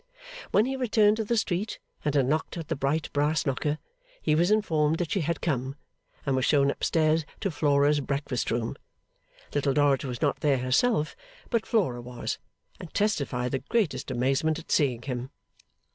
When he returned to the street, and had knocked at the bright brass knocker, he was informed that she had come, and was shown up stairs to Flora's breakfast room. Little Dorrit was not there herself, but Flora was, and testified the greatest amazement at seeing him.